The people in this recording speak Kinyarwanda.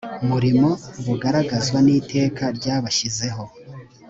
murimo bugaragazwa n iteka ryabashyizeho